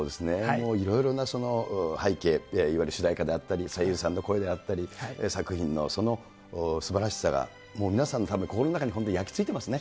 もういろいろな背景、いわゆる主題歌であったり、声優さんの声であったり、作品のすばらしさが、皆さん、たぶん心の中に焼きついてますね。